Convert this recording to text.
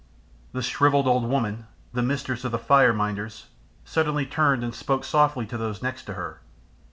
The shrivelled old woman, the mistress of the fire minders, suddenly turned and spoke softly to those next to her.